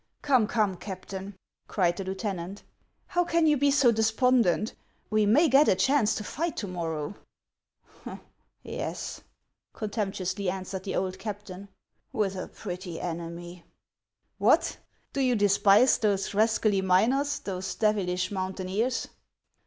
" Come, come, Captain !" cried the lieutenant, " how can you be so despondent ? We may get a chance to fight to morrow." HANS OF ICELAND. 333 " Yes," contemptuously answered the old captain, " with a pretty enemy !"" What ! do you despise those rascally miners, those devilish mountaineers